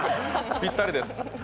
ぴったりです。